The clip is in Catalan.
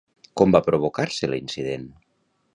Com va provocar-se, l'incident?